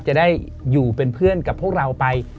จะได้อยู่เป็นเพื่อนกับพวกเราไป